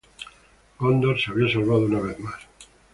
Gondor se había salvado una vez más.